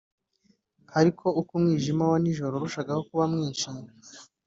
ariko uko umwijima wa nijoro warushagaho kuba mwinshi,